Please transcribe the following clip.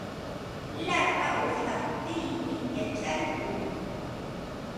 Lapa uushantsikmi wacharqun.